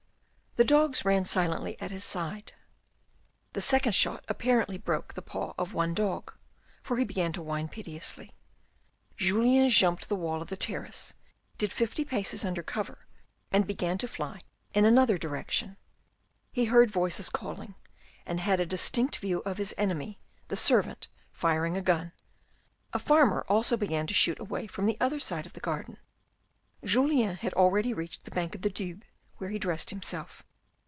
The dogs ran silently at his side, the second shot apparently broke the paw of one dog, for he began to whine piteously. Julien jumped the wall of the terrace, did fifty paces under cover, and began to fly in another direction. He heard voices calling and had a distinct view of his enemy the servant firing a gun ; a farmer also began to shoot away from the other side of the garden. Julien had already reached the bank of the Doubs where he dressed himself.